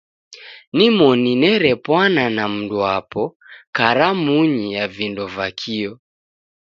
Nimoni nerepwana na mndwapo karamunyi ya vindo va kio.